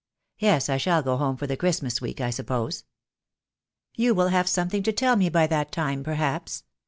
"Yes, I shall go home for the Christmas week, I suppose." "You will have something to tell me by that time, perhaps.